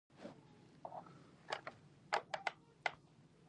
د دې نه علاوه زيات وزن رګونه نري کوي